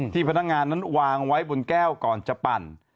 พนักงานนั้นวางไว้บนแก้วก่อนจะปั่น